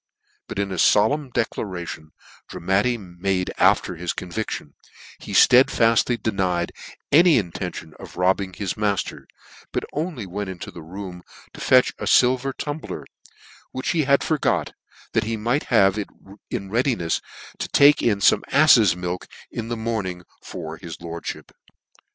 Buc in a folemn decla ration Dramatti made after his convidion, he ftedfailiy denied all intention of robbing his maf ter, but only went into the room to fetch a filver tumbler, which he had forgot, that he might have it in readinefs to take in fome affes milk in the morning, for his lordfhip. The J. P.